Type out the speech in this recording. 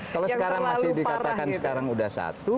kalau sekarang masih dikatakan sekarang sudah satu